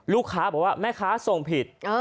ลูกค้าบอกว่าแม่ค้าส่งผิด